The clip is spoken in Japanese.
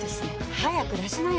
早く出しなよ。